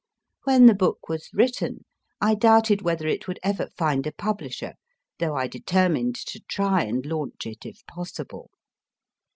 When the book was written I doubted whether it would ever find a publisher, though I determined to try and launch it if possible.